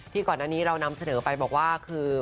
ก่อนอันนี้เรานำเสนอไปบอกว่าคือ